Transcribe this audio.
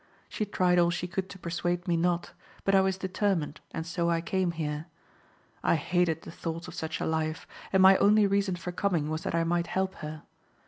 She tried all she could to persuade me not, but I was determined, and so I came here. I hated the thoughts of such a life, and my only reason for coming was that I might help her.